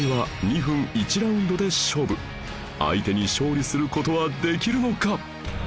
相手に勝利する事はできるのか？